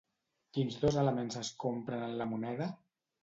Quins dos elements es compren amb la moneda?